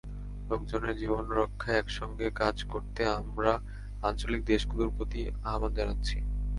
লোকজনের জীবন রক্ষায় একসঙ্গে কাজ করতে আমরা আঞ্চলিক দেশগুলোর প্রতি আহ্বান জানাচ্ছি।